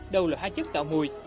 đâu là hai chất tạo mùi